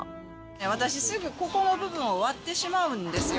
私、すぐここの部分を割ってしまうんですよ。